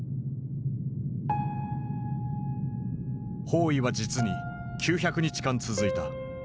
包囲は実に９００日間続いた。